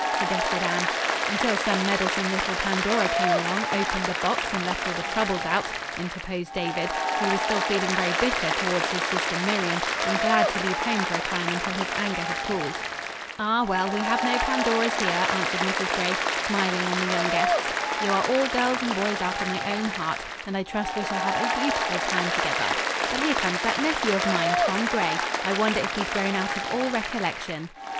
suggested Anne. "Until some meddlesome little Pandora came along, opened the box and let all the troubles out," interposed David, who was still feeling very bitter toward his sister Miriam, and glad to leave home for a time until his anger had cooled. "Ah, well, we have no Pandoras here," answered Mrs. Gray, smiling on the young guests. "You are all girls and boys after my own heart, and I trust we shall have a beautiful time together. But here comes that nephew of mine, Tom Gray. I wonder if he's grown out of all recollection."